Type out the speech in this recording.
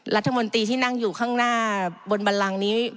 รัฐมนตรีที่นั่งอยู่ข้างหน้าบนบันลังนี้